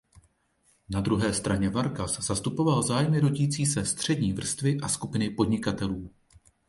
Na druhé straně Vargas zastupoval zájmy rodící se střední vrstvy a skupiny podnikatelů.